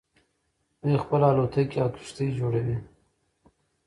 دوی خپله الوتکې او کښتۍ جوړوي.